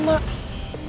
demikian aja riz